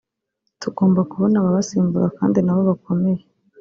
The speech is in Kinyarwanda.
tugomba kubona ababasimbura kandi nabo bakomeye